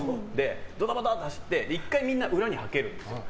ドタバタって走って１回みんな裏にはけるんですよ。